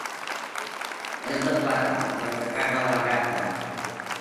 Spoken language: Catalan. És de plata! —De la que caga la gata.